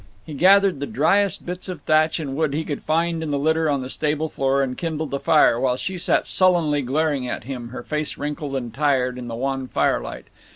He gathered the driest bits of thatch and wood he could find in the litter on the stable floor and kindled a fire, while she sat sullenly glaring at him, her face wrinkled and tired in the wan firelight.